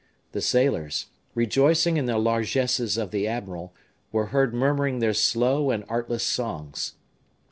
The sailors, rejoicing in the largesses of the admiral, were heard murmuring their slow and artless songs.